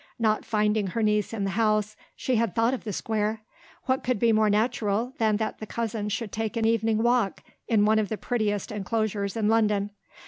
Not finding her niece in the house, she had thought of the Square. What could be more natural than that the cousins should take an evening walk, in one of the prettiest enclosures in London?